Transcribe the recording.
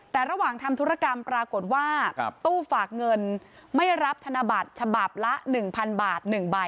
แต่ระหว่างทำธุรกรรมปรากฏว่าตู้ฝากเงินไม่รับธนบัตรฉบับละ๑๐๐๐บาท๑ใบ